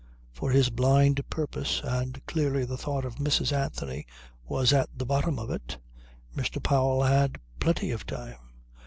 For his blind purpose (and clearly the thought of Mrs. Anthony was at the bottom of it) Mr. Powell had plenty of time.